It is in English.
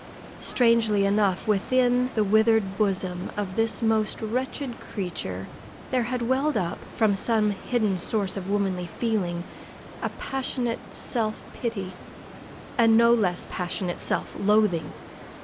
Strangely enough, within the withered bosom of this most wretched creature there had welled up, from some hidden source of womanly feeling, a passionate self pity, a no less passionate self loathing.